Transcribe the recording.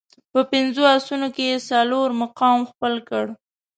په پنځو اسونو کې یې څلورم مقام خپل کړ.